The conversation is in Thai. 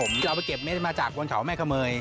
เราไปเก็บเม็ดมาจากบนเขาแม่เขย